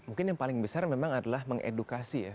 mungkin yang paling besar memang adalah mengedukasi ya